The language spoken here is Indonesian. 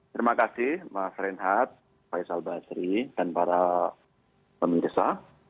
terima kasih pak faisal basri dan para pemerintah